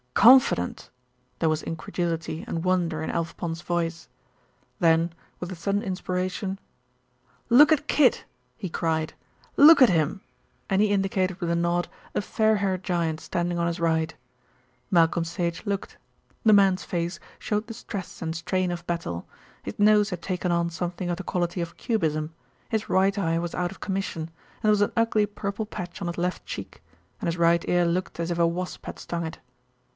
"Confident!" There was incredulity and wonder in Alf Pond's voice. Then, with a sudden inspiration, "Look at Kid!" he cried "look at him!" and he indicated with a nod a fair haired giant standing on his right. Malcolm Sage looked. The man's face showed the stress and strain of battle. His nose had taken on something of the quality of cubism, his right eye was out of commission, and there was an ugly purple patch on his left cheek, and his right ear looked as if a wasp had stung it.